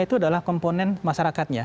itu adalah komponen masyarakatnya